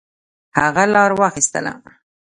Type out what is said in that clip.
هغه لار واخیستله.